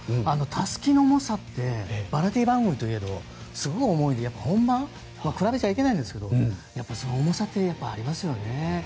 たすきの重さってバラエティー番組といえどすごく重いので比べちゃいけないですけど重さってありますよね。